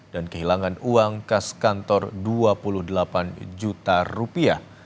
dan kehilangan uang kas kantor dua puluh delapan juta rupiah